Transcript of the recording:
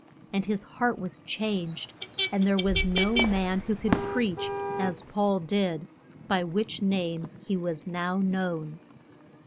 And his heart was changed, and there was no man who could preach as Paul did, by which name he was now known.